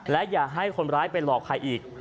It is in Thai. และอย่าให้คนร้ายไปหลอกใครอีก